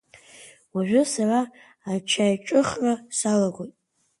Уажәы сара ачаиҿыхра салагоит.